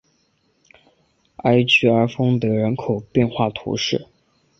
艾居埃丰德人口变化图示